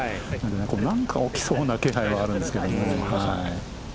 何か起きそうな気配はあるんですけど。